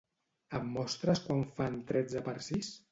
Em mostres quant fan tretze per sis?